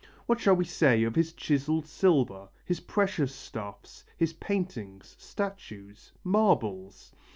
What shall we say of his chiselled silver? his precious stuffs? his paintings? statues? marbles?